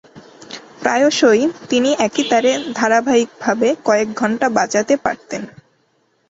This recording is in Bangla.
প্রায়শঃই তিনি একই তারে ধারাবাহিকভাবে কয়েক ঘণ্টা বাজাতে পারতেন।